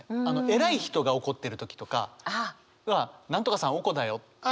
偉い人が怒ってる時とかは「何とかさんおこだよ」とか。